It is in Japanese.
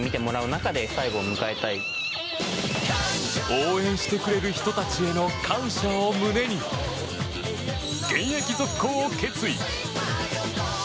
応援してくれる人たちへの感謝を胸に、現役続行を決意。